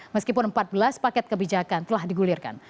meskipun empat belas paket kebijakan telah digulirkan